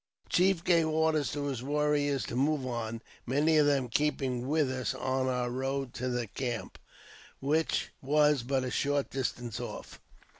The chief gave orders to his warriors to move on, many of them keeping with us on our road to their camp, which was but a short distance off.